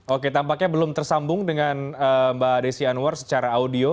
oke tampaknya belum tersambung dengan mbak desi anwar secara audio